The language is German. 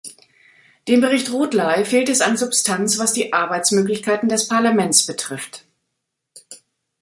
Dem Bericht Rothley fehlt es an Substanz, was die Arbeitsmöglichkeiten des Parlaments betrifft.